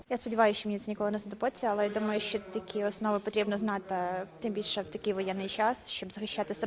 yang seperti itu